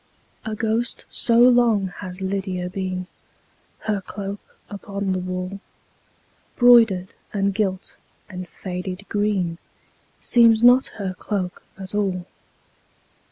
A ghost so long has Lydia been, Her cloak upon the wall, Broidered, and gilt, and faded green, Seems not her cloak at all.